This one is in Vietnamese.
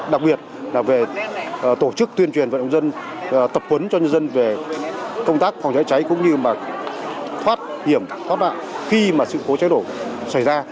đặc biệt là về tổ chức tuyên truyền và động dân tập huấn cho nhân dân về công tác phòng cháy cháy cũng như mà thoát hiểm thoát nạn khi mà sự phố cháy đổ xảy ra